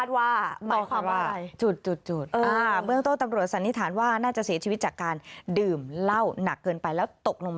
แต่ซึ่งเราตรวจสอบแล้ว